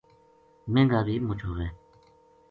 مہنگا بے مُچ ہوے